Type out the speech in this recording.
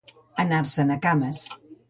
Anar-se'n a cames.